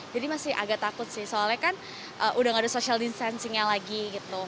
jadi masih agak takut sih soalnya kan udah gak ada social distancing nya lagi gitu